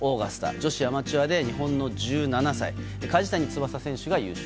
女子アマチュアで日本の１７歳、梶谷翼選手が優勝。